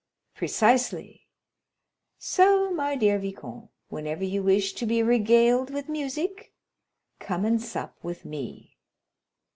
"Precisely. So, my dear viscount, whenever you wish to be regaled with music come and sup with me."